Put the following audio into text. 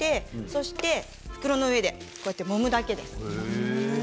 そして袋の上でこうやって、もむだけです。